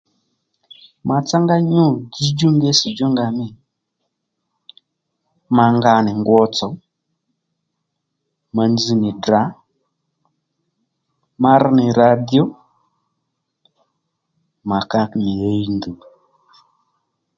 Matsángá nyû dziydjú ngítss̀ djú nga mî ma nga nì ngwo tsò ma nzz nì Ddrà ma rr nì radio ma ka kì ɦiy ndùw